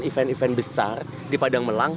dan ini adalah satu dari event event besar di padang melang